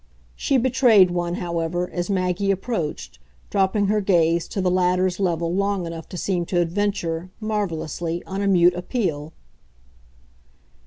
She betrayed one, however, as Maggie approached, dropping her gaze to the latter's level long enough to seem to adventure, marvellously, on a mute appeal.